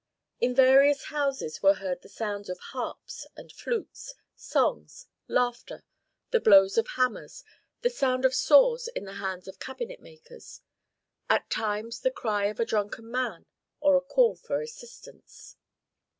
In various houses were heard the sounds of harps and flutes, songs, laughter, the blows of hammers, the sound of saws in the hands of cabinet makers; at times the cry of a drunken man, or a call for assistance.